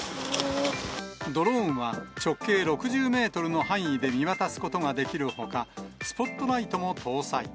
ドローンは直径６０メートルの範囲で見渡すことができるほか、スポットライトも搭載。